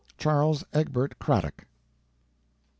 —Charles Egbert Craddock.